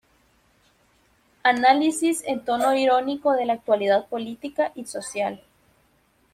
Análisis en tono irónico de la actualidad política y social.